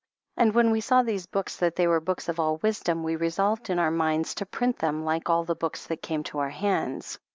And when we saw these books, that they were books of all wisdom, we resolved in our minds to print them like all the books that came to our hands.